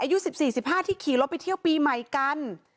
อายุ๑๔๑๕ที่ขี่รถไปเที่ยวปีใหม่กัน